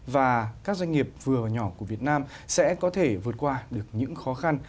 và các doanh nghiệp vừa và nhỏ của việt nam sẽ có thể vượt qua được những khó khăn